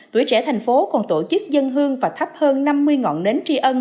tuổi trẻ thành phố còn tổ chức dân hương và thắp hơn năm mươi ngọn nến tri ân